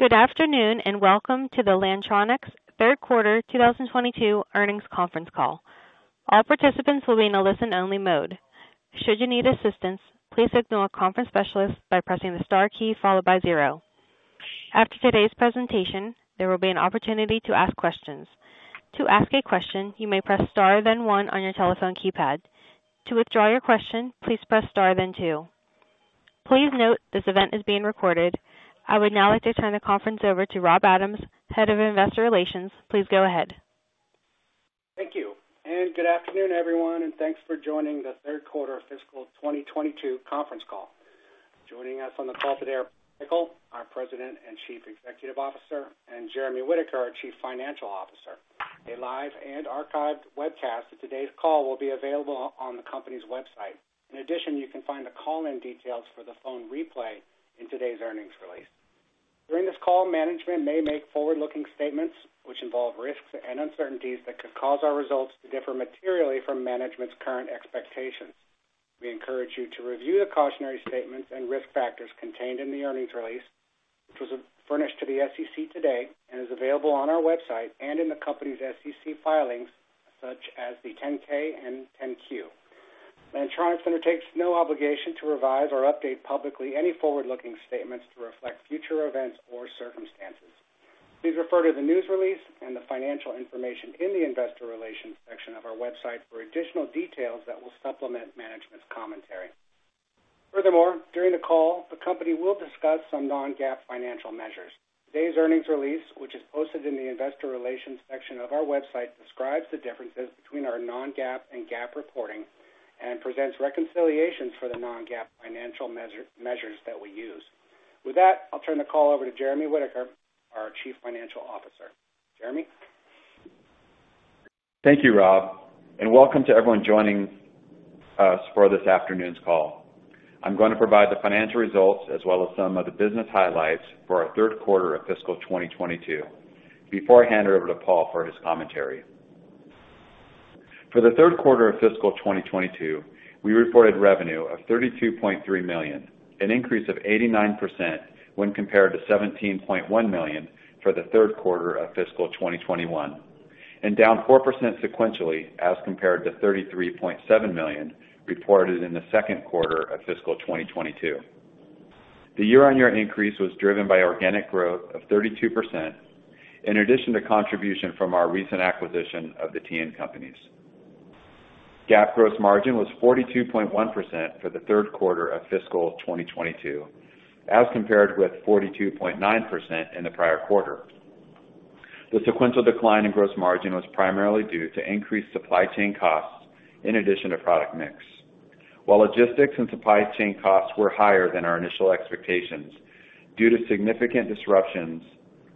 Good afternoon, and welcome to the Lantronix third quarter 2022 earnings conference call. All participants will be in a listen-only mode. Should you need assistance, please signal a conference specialist by pressing the star key followed by zero. After today's presentation, there will be an opportunity to ask questions. To ask a question, you may press star then one on your telephone keypad. To withdraw your question, please press star then two. Please note this event is being recorded. I would now like to turn the conference over to Robert Adams, Head of Investor Relations. Please go ahead. Thank you. Good afternoon, everyone, and thanks for joining the third quarter of fiscal 2022 conference call. Joining us on the call today are Paul Pickle, our President and Chief Executive Officer, and Jeremy Whitaker, our Chief Financial Officer. A live and archived webcast of today's call will be available on the company's website. In addition, you can find the call-in details for the phone replay in today's earnings release. During this call, management may make forward-looking statements which involve risks and uncertainties that could cause our results to differ materially from management's current expectations. We encourage you to review the cautionary statements and risk factors contained in the earnings release, which was furnished to the SEC today and is available on our website and in the company's SEC filings, such as the Form 10-K and Form 10-Q. Lantronix undertakes no obligation to revise or update publicly any forward-looking statements to reflect future events or circumstances. Please refer to the news release and the financial information in the investor relations section of our website for additional details that will supplement management's commentary. Furthermore, during the call, the company will discuss some non-GAAP financial measures. Today's earnings release, which is posted in the investor relations section of our website, describes the differences between our non-GAAP and GAAP reporting and presents reconciliations for the non-GAAP financial measures that we use. With that, I'll turn the call over to Jeremy Whitaker, our Chief Financial Officer. Jeremy? Thank you, Rob, and welcome to everyone joining us for this afternoon's call. I'm gonna provide the financial results as well as some of the business highlights for our third quarter of fiscal 2022 before I hand over to Paul for his commentary. For the third quarter of fiscal 2022, we reported revenue of $32.3 million, an increase of 89% when compared to $17.1 million for the third quarter of fiscal 2021, and down 4% sequentially as compared to $33.7 million reported in the second quarter of fiscal 2022. The year-on-year increase was driven by organic growth of 32% in addition to contribution from our recent acquisition of Transition Networks. GAAP gross margin was 42.1% for the third quarter of fiscal 2022, as compared with 42.9% in the prior quarter. The sequential decline in gross margin was primarily due to increased supply chain costs in addition to product mix. While logistics and supply chain costs were higher than our initial expectations due to significant disruptions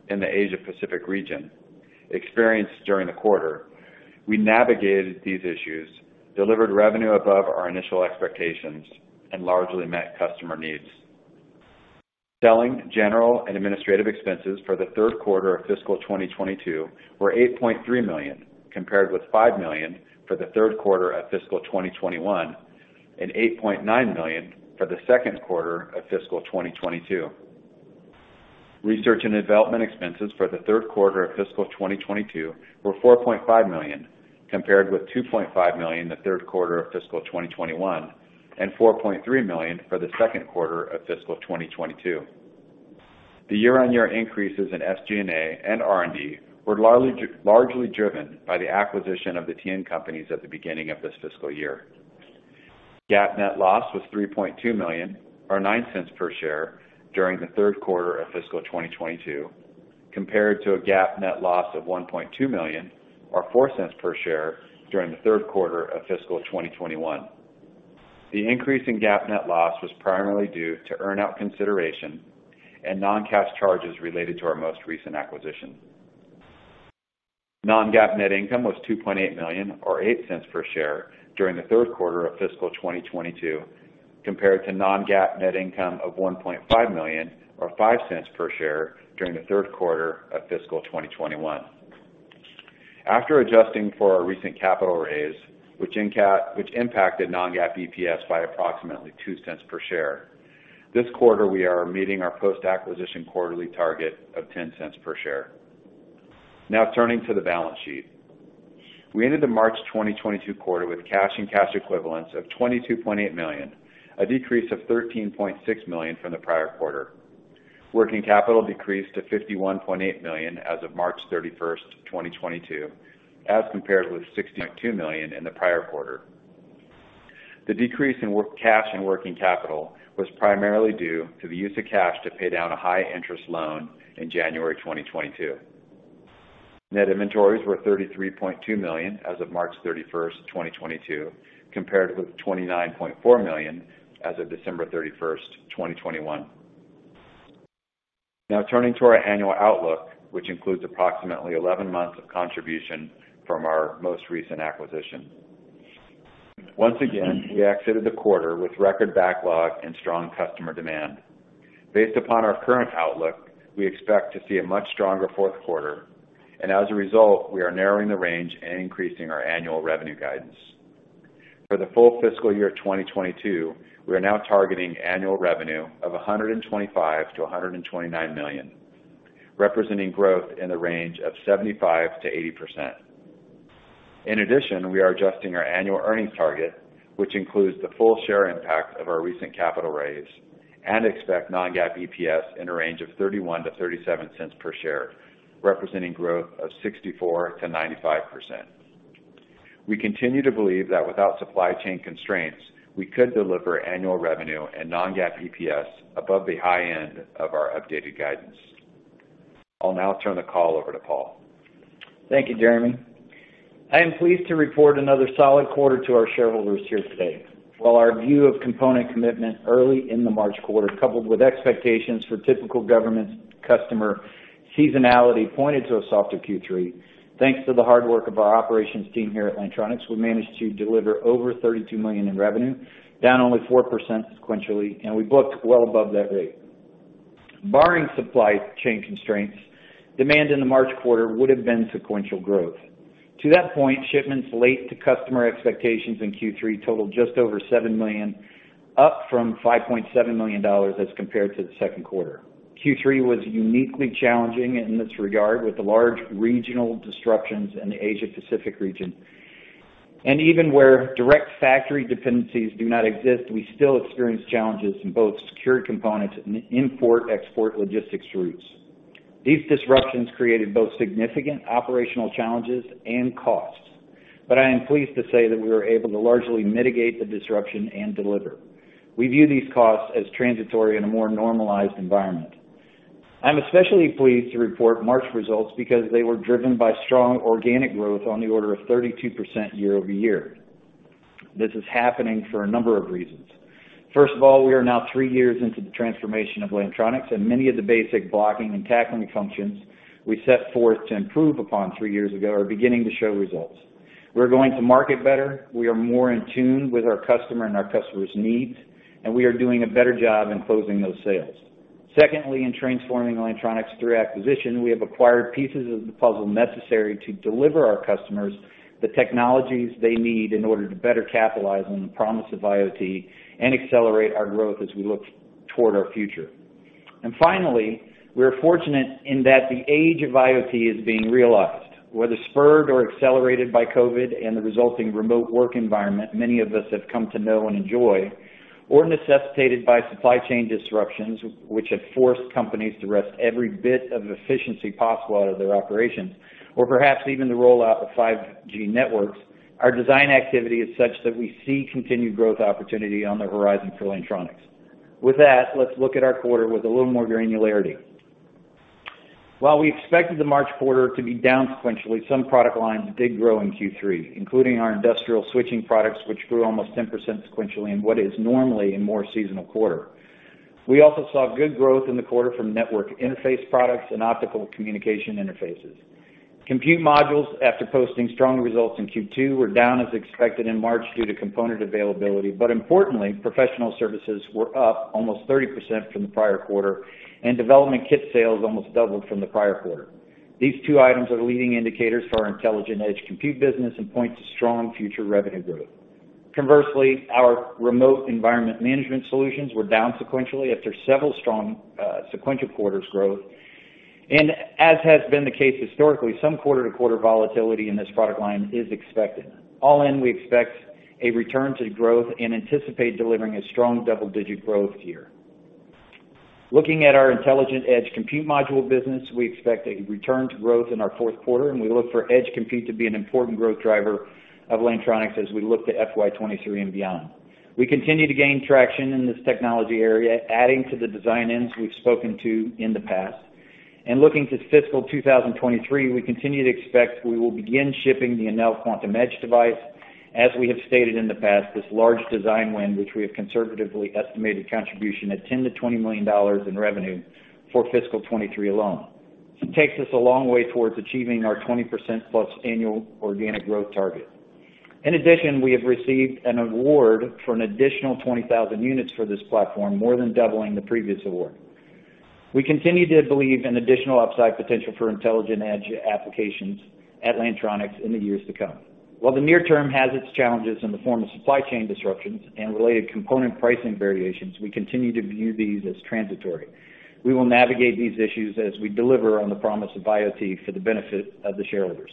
in the Asia Pacific region experienced during the quarter, we navigated these issues, delivered revenue above our initial expectations, and largely met customer needs. Selling, general, and administrative expenses for the third quarter of fiscal 2022 were $8.3 million, compared with $5 million for the third quarter of fiscal 2021 and $8.9 million for the second quarter of fiscal 2022. Research and development expenses for the third quarter of fiscal 2022 were $4.5 million, compared with $2.5 million in the third quarter of fiscal 2021 and $4.3 million for the second quarter of fiscal 2022. The year-on-year increases in SG&A and R&D were largely driven by the acquisition of Transition Networks at the beginning of this fiscal year. GAAP net loss was $3.2 million or $0.09 per share during the third quarter of fiscal 2022, compared to a GAAP net loss of $1.2 million or $0.04 per share during the third quarter of fiscal 2021. The increase in GAAP net loss was primarily due to earn-out consideration and non-cash charges related to our most recent acquisition. Non-GAAP net income was $2.8 million or $0.08 per share during the third quarter of fiscal 2022, compared to non-GAAP net income of $1.5 million or $0.05 per share during the third quarter of fiscal 2021. After adjusting for our recent capital raise, which impacted non-GAAP EPS by approximately $0.02 per share, this quarter we are meeting our post-acquisition quarterly target of $0.10 per share. Now turning to the balance sheet. We ended the March 2022 quarter with cash and cash equivalents of $22.8 million, a decrease of $13.6 million from the prior quarter. Working capital decreased to $51.8 million as of March 31st, 2022, as compared with $60.2 million in the prior quarter. The decrease in cash and working capital was primarily due to the use of cash to pay down a high interest loan in January 2022. Net inventories were $33.2 million as of March 31st, 2022, compared with $29.4 million as of December 31st, 2021. Now turning to our annual outlook, which includes approximately 11 months of contribution from our most recent acquisition. Once again, we exited the quarter with record backlog and strong customer demand. Based upon our current outlook, we expect to see a much stronger fourth quarter and as a result, we are narrowing the range and increasing our annual revenue guidance. For the full fiscal year 2022, we are now targeting annual revenue of $125 million-$129 million, representing growth in the range of 75%-80%. In addition, we are adjusting our annual earnings target, which includes the full share impact of our recent capital raise and expect non-GAAP EPS in a range of $0.31-$0.37 per share, representing growth of 64%-95%. We continue to believe that without supply chain constraints, we could deliver annual revenue and non-GAAP EPS above the high end of our updated guidance. I'll now turn the call over to Paul. Thank you, Jeremy. I am pleased to report another solid quarter to our shareholders here today. While our view of component commitment early in the March quarter, coupled with expectations for typical government customer seasonality pointed to a softer Q3, thanks to the hard work of our operations team here at Lantronix, we managed to deliver over $32 million in revenue, down only 4% sequentially, and we booked well above that rate. Barring supply chain constraints, demand in the March quarter would have been sequential growth. To that point, shipments late to customer expectations in Q3 totaled just over $7 million, up from $5.7 million as compared to the second quarter. Q3 was uniquely challenging in this regard with the large regional disruptions in the Asia Pacific region. Even where direct factory dependencies do not exist, we still experience challenges in both sourced components and import-export logistics routes. These disruptions created both significant operational challenges and costs, but I am pleased to say that we were able to largely mitigate the disruption and deliver. We view these costs as transitory in a more normalized environment. I'm especially pleased to report March results because they were driven by strong organic growth on the order of 32% year-over-year. This is happening for a number of reasons. First of all, we are now three years into the transformation of Lantronix, and many of the basic blocking and tackling functions we set forth to improve upon three years ago are beginning to show results. We're going to market better, we are more in tune with our customer and our customers' needs, and we are doing a better job in closing those sales. Secondly, in transforming Lantronix through acquisition, we have acquired pieces of the puzzle necessary to deliver our customers the technologies they need in order to better capitalize on the promise of IoT and accelerate our growth as we look toward our future. Finally, we're fortunate in that the age of IoT is being realized, whether spurred or accelerated by COVID and the resulting remote work environment many of us have come to know and enjoy, or necessitated by supply chain disruptions which have forced companies to wrest every bit of efficiency possible out of their operations, or perhaps even the rollout of 5G networks. Our design activity is such that we see continued growth opportunity on the horizon for Lantronix. With that, let's look at our quarter with a little more granularity. While we expected the March quarter to be down sequentially, some product lines did grow in Q3, including our industrial switching products, which grew almost 10% sequentially in what is normally a more seasonal quarter. We also saw good growth in the quarter from network interface products and optical communication interfaces. Compute modules, after posting strong results in Q2, were down as expected in March due to component availability. Importantly, professional services were up almost 30% from the prior quarter, and development kit sales almost doubled from the prior quarter. These two items are leading indicators for our intelligent edge compute business and point to strong future revenue growth. Conversely, our Remote Environment Management solutions were down sequentially after several strong sequential quarters growth. As has been the case historically, some quarter-to-quarter volatility in this product line is expected. All in, we expect a return to growth and anticipate delivering a strong double-digit growth year. Looking at our intelligent edge compute module business, we expect a return to growth in our fourth quarter, and we look for edge compute to be an important growth driver of Lantronix as we look to FY 2023 and beyond. We continue to gain traction in this technology area, adding to the design-ins we've spoken to in the past. Looking to fiscal 2023, we continue to expect we will begin shipping the Enel Quantum Edge device. As we have stated in the past, this large design win, which we have conservatively estimated contribution at $10 million-$20 million in revenue for fiscal 2023 alone. It takes us a long way towards achieving our 20% plus annual organic growth target. In addition, we have received an award for an additional 20,000 units for this platform, more than doubling the previous award. We continue to believe in additional upside potential for intelligent edge applications at Lantronix in the years to come. While the near term has its challenges in the form of supply chain disruptions and related component pricing variations, we continue to view these as transitory. We will navigate these issues as we deliver on the promise of IoT for the benefit of the shareholders.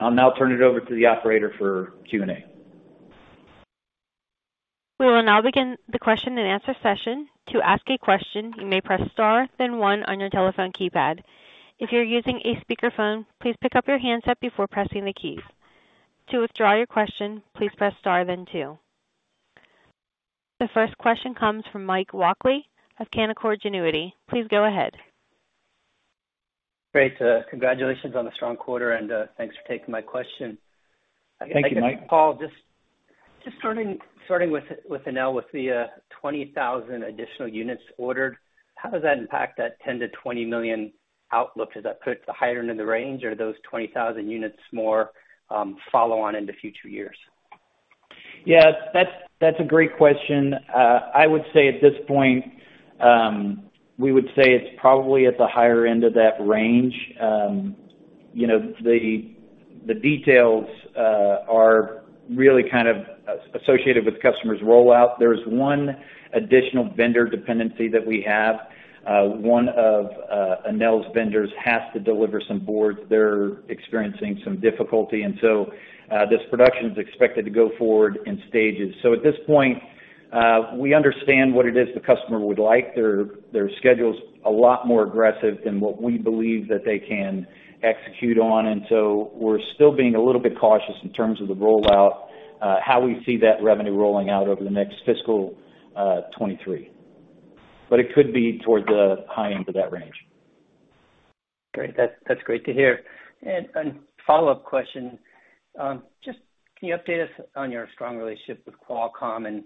I'll now turn it over to the operator for Q&A. We will now begin the question-and-answer session. To ask a question, you may press star, then one on your telephone keypad. If you're using a speakerphone, please pick up your handset before pressing the keys. To withdraw your question, please press star then two. The first question comes from Mike Walkley of Canaccord Genuity. Please go ahead. Great. Congratulations on the strong quarter, and thanks for taking my question. Thank you, Mike. Paul, just starting with Enel, with the 20,000 additional units ordered, how does that impact that $10 million-$20 million outlook? Does that put higher end of the range, or are those 20,000 units more follow-on into future years? Yeah, that's a great question. I would say at this point, we would say it's probably at the higher end of that range. You know, the details are really kind of associated with the customer's rollout. There's one additional vendor dependency that we have. One of Enel's vendors has to deliver some boards. They're experiencing some difficulty, and so this production is expected to go forward in stages. At this point, we understand what it is the customer would like. Their schedule's a lot more aggressive than what we believe that they can execute on, and so we're still being a little bit cautious in terms of the rollout, how we see that revenue rolling out over the next fiscal 2023. It could be toward the high end of that range. Great. That's great to hear. A follow-up question. Just can you update us on your strong relationship with Qualcomm?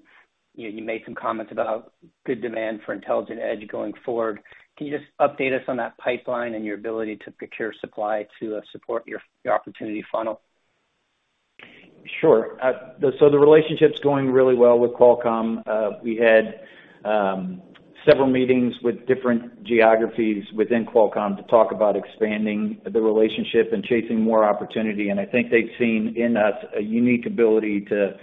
You know, you made some comments about good demand for intelligent Edge going forward. Can you just update us on that pipeline and your ability to procure supply to support your opportunity funnel? Sure. The relationship's going really well with Qualcomm. We had several meetings with different geographies within Qualcomm to talk about expanding the relationship and chasing more opportunity. I think they've seen in us a unique ability to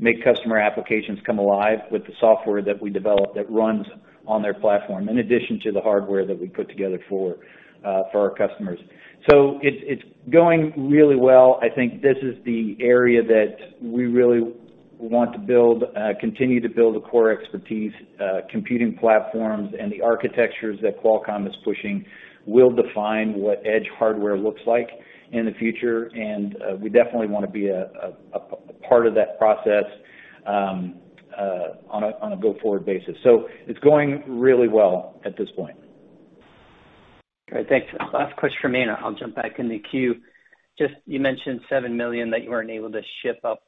make customer applications come alive with the software that we develop that runs on their platform, in addition to the hardware that we put together for our customers. It's going really well. I think this is the area that we really want to build, continue to build a core expertise, computing platforms, and the architectures that Qualcomm is pushing will define what edge hardware looks like in the future. We definitely wanna be a part of that process on a go-forward basis. It's going really well at this point. All right. Thanks. Last question from me, and I'll jump back in the queue. Just you mentioned $7 million that you weren't able to ship up,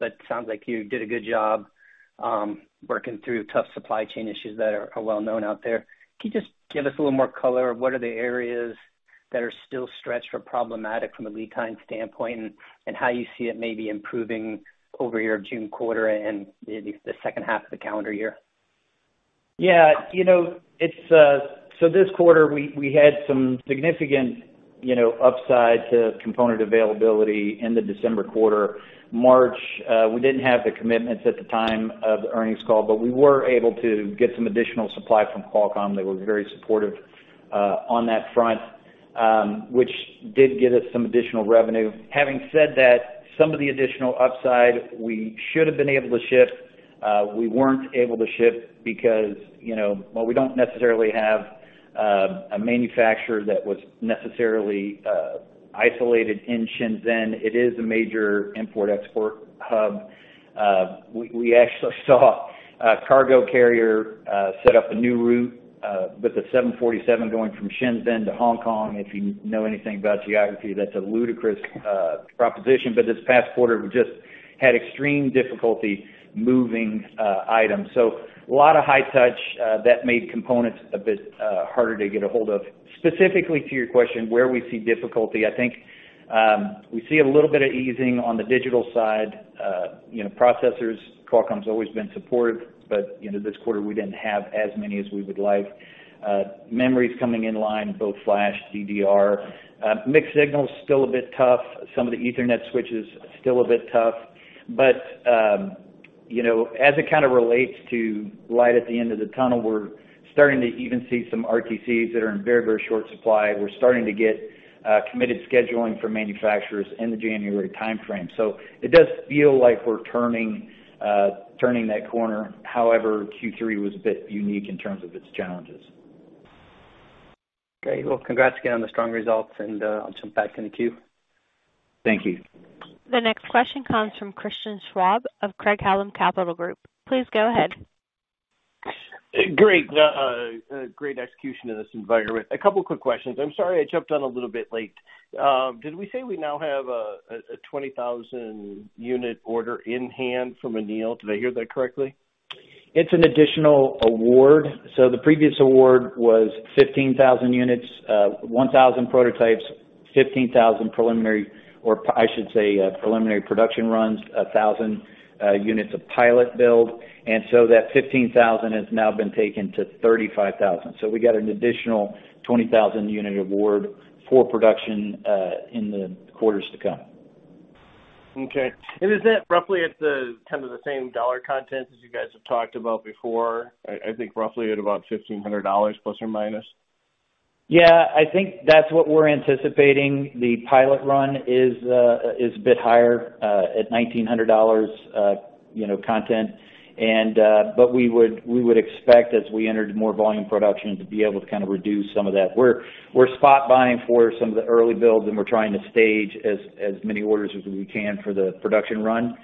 but sounds like you did a good job, working through tough supply chain issues that are well known out there. Can you just give us a little more color of what are the areas that are still stretched or problematic from a lead time standpoint, and how you see it maybe improving over your June quarter and maybe the second half of the calendar year? Yeah. You know, it's so this quarter, we had some significant, you know, upside to component availability in the December quarter. March, we didn't have the commitments at the time of the earnings call, but we were able to get some additional supply from Qualcomm. They were very supportive on that front, which did get us some additional revenue. Having said that, some of the additional upside we should have been able to ship, we weren't able to ship because, you know, well, we don't necessarily have a manufacturer that was necessarily isolated in Shenzhen. It is a major import-export hub. We actually saw a cargo carrier set up a new route with the 747 going from Shenzhen to Hong Kong. If you know anything about geography, that's a ludicrous proposition. This past quarter, we just had extreme difficulty moving, items. A lot of high touch, that made components a bit, harder to get a hold of. Specifically to your question, where we see difficulty, I think, we see a little bit of easing on the digital side. You know, processors, Qualcomm's always been supportive, but, you know, this quarter we didn't have as many as we would like. Memory is coming in line, both flash, DDR. Mixed signal's still a bit tough. Some of the Ethernet switch is still a bit tough. You know, as it kinda relates to light at the end of the tunnel, we're starting to even see some RTCs that are in very, very short supply. We're starting to get, committed scheduling from manufacturers in the January timeframe. It does feel like we're turning that corner. However, Q3 was a bit unique in terms of its challenges. Okay. Well, congrats again on the strong results, and, I'll jump back in the queue. Thank you. The next question comes from Christian Schwab of Craig-Hallum Capital Group. Please go ahead. Great. Great execution in this environment. A couple of quick questions. I'm sorry I jumped on a little bit late. Did we say we now have a 20,000 unit order in hand from Enel? Did I hear that correctly? It's an additional award. The previous award was 15,000 units, 1,000 prototypes, 15,000 preliminary production runs, 1,000 units of pilot build. That 15,000 has now been taken to 35,000. We got an additional 20,000 unit award for production in the quarters to come. Okay. Is that roughly at the, kind of the same dollar content as you guys have talked about before? I think roughly at about $1,500 plus or minus. Yeah. I think that's what we're anticipating. The pilot run is a bit higher at $1,900, you know, content. But we would expect as we entered more volume production to be able to kind of reduce some of that. We're spot buying for some of the early builds, and we're trying to stage as many orders as we can for the production run.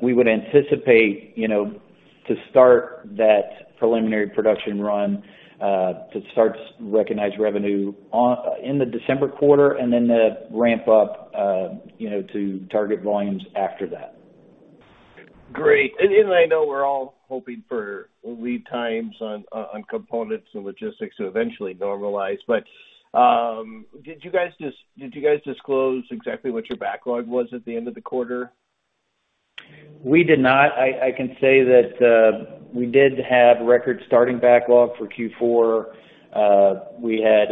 We would anticipate, you know, to start that preliminary production run to start to recognize revenue in the December quarter and then ramp up, you know, to target volumes after that. Great. I know we're all hoping for lead times on components and logistics to eventually normalize, but did you guys disclose exactly what your backlog was at the end of the quarter? We did not. I can say that we did have record starting backlog for Q4. We had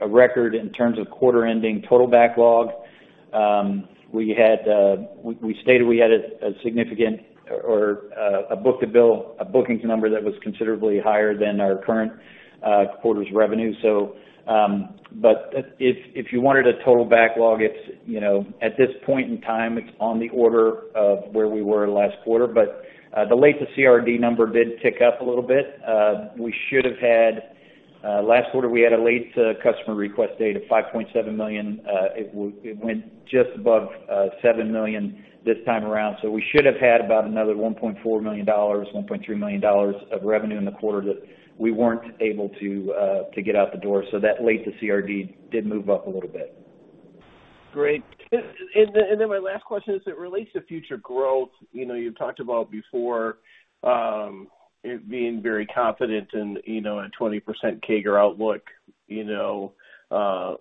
a record in terms of quarter ending total backlog. We stated we had a significant book-to-bill, a bookings number that was considerably higher than our current quarter's revenue. If you wanted a total backlog, you know, at this point in time, it's on the order of where we were last quarter. The late to CRD number did tick up a little bit. Last quarter, we had a late to customer request date of $5.7 million. It went just above 7 million this time around, so we should have had about another $1.4 million, $1.3 million of revenue in the quarter that we weren't able to to get out the door. That late to CRD did move up a little bit. Great. My last question as it relates to future growth. You know, you've talked about before being very confident in a 20% CAGR outlook, you know,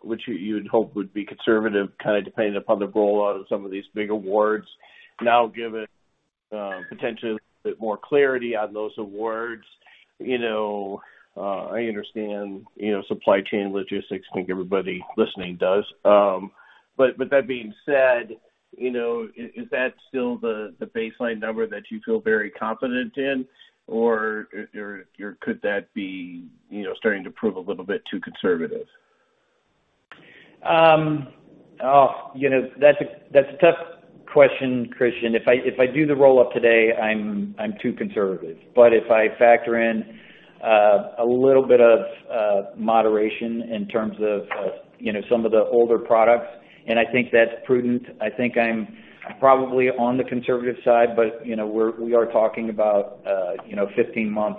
which you'd hope would be conservative, kind of depending upon the rollout of some of these big awards. Now, given potentially a bit more clarity on those awards, you know, I understand, you know, supply chain logistics. I think everybody listening does. That being said, you know, is that still the baseline number that you feel very confident in? Or could that be, you know, starting to prove a little bit too conservative? You know, that's a tough question, Christian. If I do the roll-up today, I'm too conservative. If I factor in a little bit of moderation in terms of you know, some of the older products, and I think that's prudent, I think I'm probably on the conservative side. You know, we are talking about 15-month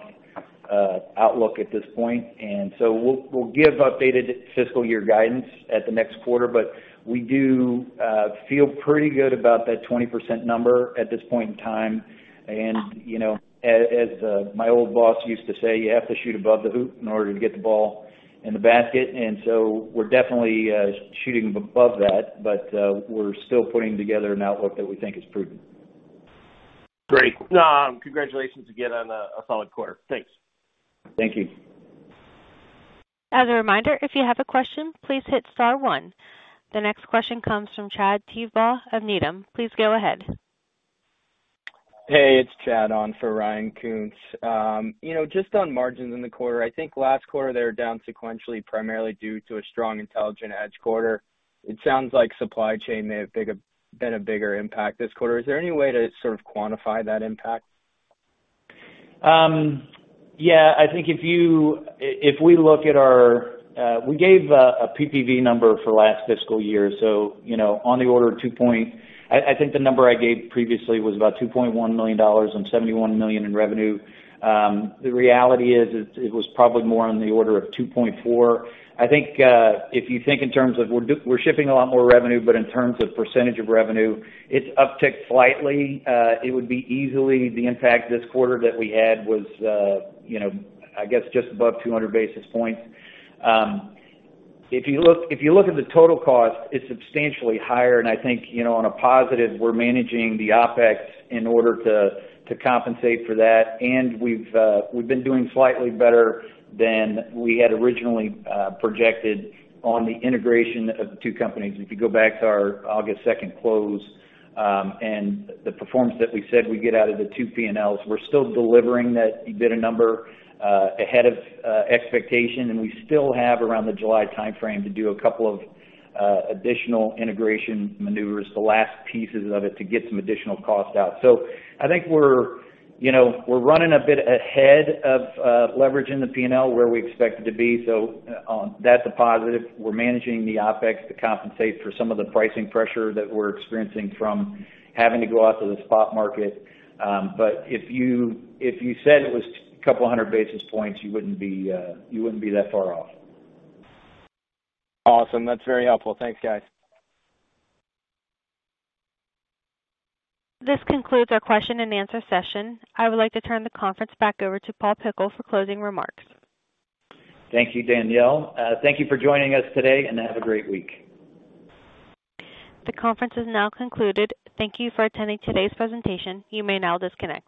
outlook at this point. We'll give updated fiscal year guidance at the next quarter. We do feel pretty good about that 20% number at this point in time. You know, as my old boss used to say, "You have to shoot above the hoop in order to get the ball in the basket." We're definitely shooting above that, but we're still putting together an outlook that we think is prudent. Great. No, congratulations again on a solid quarter. Thanks. Thank you. As a reminder, if you have a question, please hit star one. The next question comes from Chad Teevan of Needham. Please go ahead. Hey, it's Chad on for Ryan Koontz. You know, just on margins in the quarter, I think last quarter, they were down sequentially, primarily due to a strong intelligent edge quarter. It sounds like supply chain may have been a bigger impact this quarter. Is there any way to sort of quantify that impact? Yeah. I think if we look at our PPV number for last fiscal year, so, you know, on the order of $2.1 million. I think the number I gave previously was about $2.1 million on $71 million in revenue. The reality is it was probably more on the order of $2.4 million. I think if you think in terms of we're shipping a lot more revenue, but in terms of percentage of revenue, it's upticked slightly. It would easily be the impact this quarter that we had was, you know, I guess, just above 200 basis points. If you look at the total cost, it's substantially higher. I think, you know, on a positive, we're managing the OpEx in order to compensate for that. We've been doing slightly better than we had originally projected on the integration of the two companies. If you go back to our August second close, and the performance that we said we'd get out of the two P&Ls, we're still delivering that. We did a number ahead of expectation, and we still have around the July timeframe to do a couple of additional integration maneuvers, the last pieces of it to get some additional cost out. I think we're, you know, we're running a bit ahead of leverage in the P&L where we expect it to be. That's a positive. We're managing the OpEx to compensate for some of the pricing pressure that we're experiencing from having to go out to the spot market. If you said it was a couple hundred basis points, you wouldn't be that far off. Awesome. That's very helpful. Thanks, guys. This concludes our question and answer session. I would like to turn the conference back over to Paul Pickle for closing remarks. Thank you, Danielle. Thank you for joining us today, and have a great week. The conference is now concluded. Thank you for attending today's presentation. You may now disconnect.